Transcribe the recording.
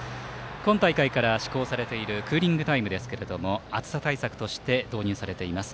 今大会から施行されているクーリングタイム暑さ対策として導入されています。